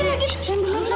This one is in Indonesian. apa yang biasa